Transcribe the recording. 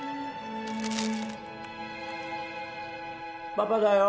パパだよ。